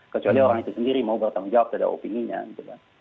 kecuali orang itu sendiri mau bertanggung jawab pada opininya gitu kan